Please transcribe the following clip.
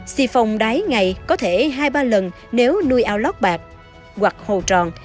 xì phòng đáy ngày có thể hai ba lần nếu nuôi ao lót bạc hoặc hồ tròn